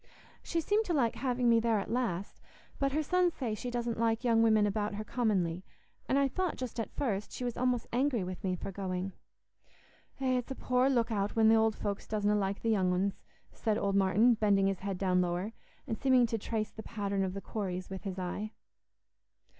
"She seemed to like having me there at last; but her sons say she doesn't like young women about her commonly; and I thought just at first she was almost angry with me for going." "Eh, it's a poor look out when th' ould folks doesna like the young uns," said old Martin, bending his head down lower, and seeming to trace the pattern of the quarries with his eye.